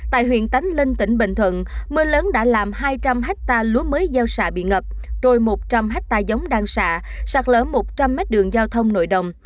tại huyện tánh linh tỉnh bình thuận mưa lớn đã làm hai trăm linh hecta lúa mới giao xạ bị ngập trôi một trăm linh hecta giống đan xạ sạt lở một trăm linh m đường giao thông nội đồng